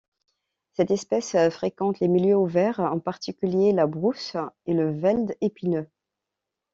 Cette espèce fréquente les milieux ouverts en particulier la brousse et le veld épineux.